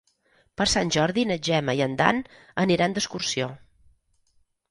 Per Sant Jordi na Gemma i en Dan aniran d'excursió.